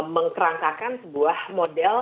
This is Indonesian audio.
mengkerangkakan sebuah model